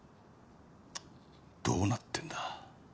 どうなってんだ。